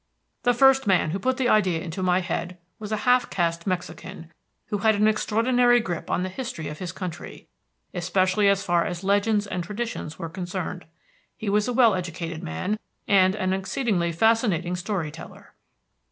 "The first man who put the idea into my head was a half caste Mexican, who had an extraordinary grip on the history of his country, especially as far as legends and traditions were concerned. He was a well educated man, and an exceedingly fascinating story teller.